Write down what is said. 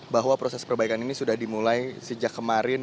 bahwa proses perbaikan ini sudah dimulai sejak kemarin